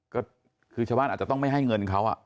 ก็คือชาวบ้านอาจจะต้องไม่ให้เงินเขา